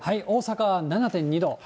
大阪は７．２度。